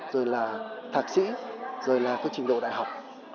rồi là thạc sĩ rồi là có trình độ đại học